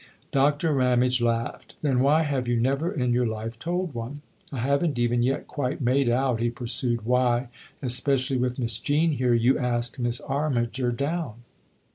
Doctor Ramage laughed. " Then why have you never in your life told one ? I haven't even yet quite made out," he pursued, " why especially with Miss Jean here you asked Miss Armiger down."